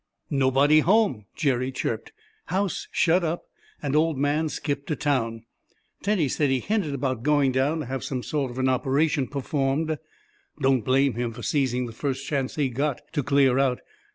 "Nobody home," Jerry chirped; "house shut up, and old man skipped to town. Teddy said he hinted about going down to have some sort of an operation performed. Don't blame him for seizing the first chance he got to clear out.